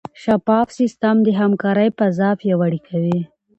شفاف سیستم د همکارۍ فضا پیاوړې کوي.